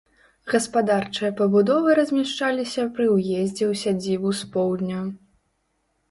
Гаспадарчыя пабудовы размяшчаліся пры ўездзе ў сядзібу з поўдня.